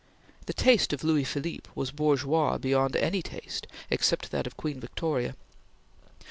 The taste of Louis Philippe was bourgeois beyond any taste except that of Queen Victoria.